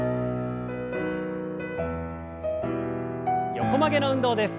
横曲げの運動です。